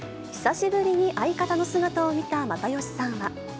久しぶりに相方の姿を見た又吉さんは。